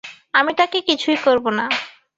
আমি তাকে কিছুই করবো না।